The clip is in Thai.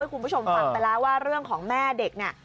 คุณผู้ชมฟังไปแล้วว่าเรื่องของแม่เด็กเนี่ย